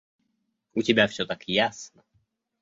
У тебя всё так ясно.